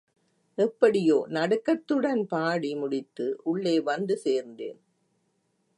எப்படியோ நடுக்கத்துடன் பாடி முடித்து உள்ளே வந்து சேர்ந்தேன்.